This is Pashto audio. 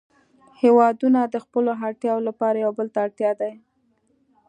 هیوادونه د خپلو اړتیاوو لپاره یو بل ته اړ دي